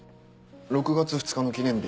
６月２日の記念日